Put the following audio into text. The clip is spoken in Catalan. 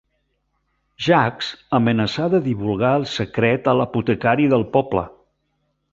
Jacques amenaçà de divulgar el secret a l'apotecari del poble.